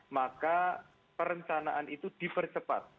maka perencanaan itu dipercepat